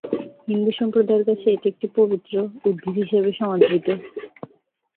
হিন্দু সম্প্রদায়ের কাছে এটি একটি পবিত্র উদ্ভিদ হিসাবে সমাদৃত।